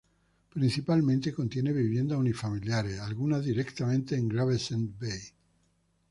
Principalmente contiene viviendas unifamiliares, algunas directamente en Gravesend Bay.